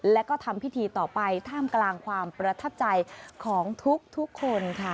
และก็ทำพิธีต่อไปท่ามกลางความประทับใจของทุกคนค่ะ